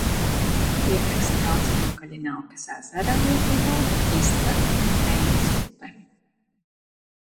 Ietek strauts no Kaļinaukas ezera Lietuvā, iztek Grendzes upe.